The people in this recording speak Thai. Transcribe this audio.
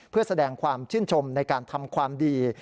เพื่อแสดงความชื่นชมในการทำความดี